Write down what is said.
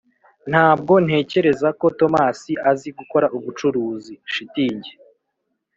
ntabwo ntekereza ko tomasi azi gukora ubucuruzi. (shitingi)